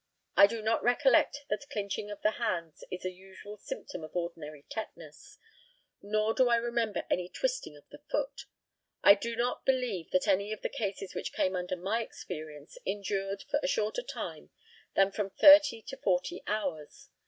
I do not recollect that clinching of the hands is a usual symptom of ordinary tetanus, nor do I remember any twisting of the foot. I do not believe that any of the cases which came under my experience endured for a shorter time than from thirty to forty hours.